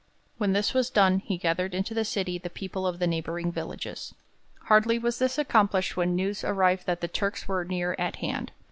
When this was done he gathered into the city the people of the neighbouring villages. Hardly was this accomplished when news arrived that the Turks were near at hand.